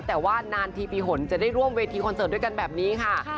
แต่ว่านานทีปีหนจะได้ร่วมเวทีคอนเสิร์ตด้วยกันแบบนี้ค่ะ